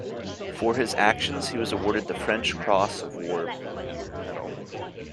For his actions, he was awarded the French Cross of War medal.